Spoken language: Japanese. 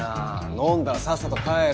飲んだらさっさと帰れ。